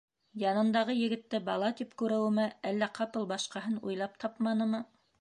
Янындағы егетте бала тип күреүеме, әллә ҡапыл башҡаһын уйлап тапманымы...